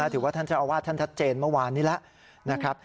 ถือว่าท่านเจ้าอาวาสท่านชัดเจนเมื่อวานนี้แล้วนะครับ